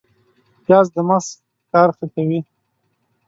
پیاز د مغز کار ښه کوي